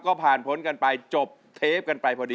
ก็ผ่านพ้นกันไปจบเทปกันไปพอดี